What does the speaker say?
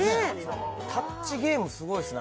タッチゲームすごいですね